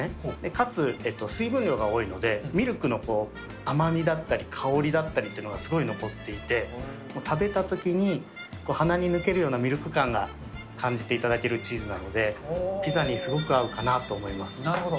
かつ水分量が多いので、ミルクの甘みだったり、香りだったっていうのがすごい残っていて、食べたときに、鼻に抜けるようなミルク感が感じていただけるチーズなので、なるほど。